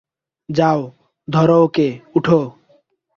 যাও, ধরো তাকে, উঠো!